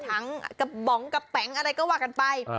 ทั้งกระป๋องกระแป๋งอะไรก็ว่ากันไป